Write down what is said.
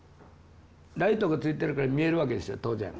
ライトがついてるから見えるわけですよ当然。